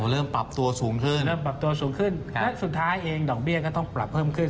เริ่มปรับตัวสูงขึ้นและสุดท้ายเองดอกเบี้ยก็ต้องปรับเพิ่มขึ้น